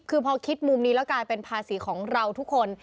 คือพอคิดมุมนี้แล้วกลายเป็นภาษีของเราทุกคน